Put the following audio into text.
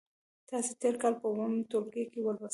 تاسې تېر کال په اووم ټولګي کې ولوستل.